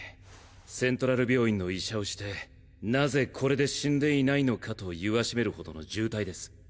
セントラル病院の医者をして「何故これで死んでいないのか」と言わしめる程の重体です。